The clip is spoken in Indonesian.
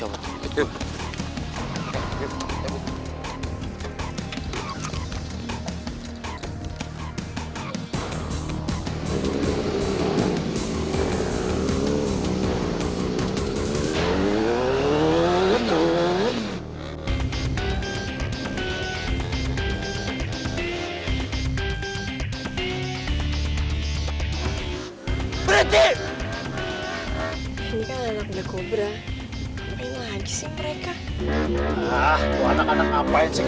mesin lagi sih mereka dolla kadang kadang apain sih